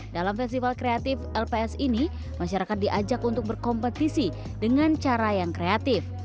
dalam festival kreatif lps ini masyarakat diajak untuk berkompetisi dengan cara yang kreatif